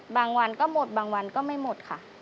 บางวันก็หมดบางวันก็ไม่หมดค่ะ